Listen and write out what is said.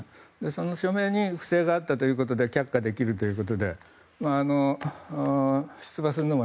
その署名に不正があったということで却下できるということで出馬するのも